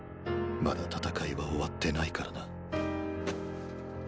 まだ戦いは終わってないからな。